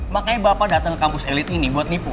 makanya bapak datang ke kampus elit ini buat nipu